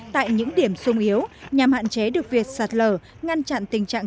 tại những điểm sung yếu nhằm hạn chế được việc sạt lở ngăn chặn tình trạng